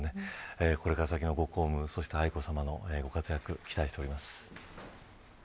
これから先のご公務愛子さまのご活躍に期待しています。